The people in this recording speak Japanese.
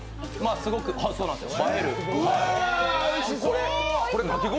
すごく映える。